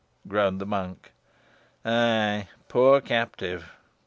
groaned the monk. "Ay, poor captive!"